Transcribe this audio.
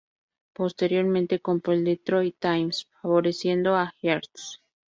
Posteriormente compró el "Detroit Times" favoreciendo a Hearst.